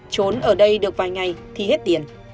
trốn ở đây được vài ngày thì hết tiền